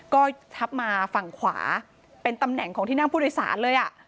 ก็ทับมาฝั่งขวาเป็นตำแหน่งของที่นั่งผู้โดยสารเลยอ่ะ